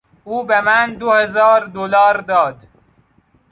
او به من دو هزار دلار داد.